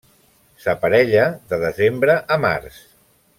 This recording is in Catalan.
S'aparella de desembre a març.